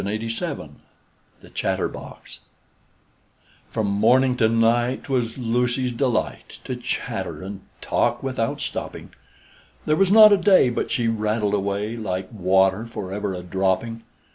_)THE CHATTERBOX From morning to night 't was Lucy's delight To chatter and talk without stopping; There was not a day but she rattled away, Like water forever a dropping!